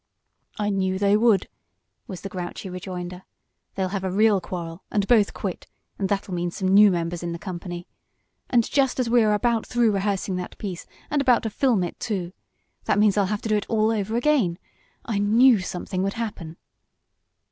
"I knew they would," was the grouchy rejoinder. "They'll have a real quarrel, and both quit, and that'll mean some new members in the company. And just as we are about through rehearsing that piece, and about to film it, too. That means I'll have to do it all over again. I knew something would happen!"